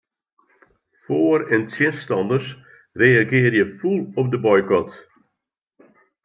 Foar- en tsjinstanners reagearje fûl op de boykot.